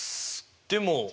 でも。